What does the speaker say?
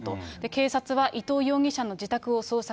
警察は、伊藤容疑者の自宅を捜索。